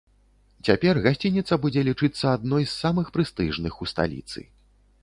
Цяпер гасцініца будзе лічыцца адной з самых прэстыжных у сталіцы.